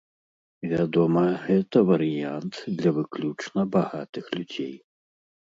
Вядома, гэта варыянт для выключна багатых людзей.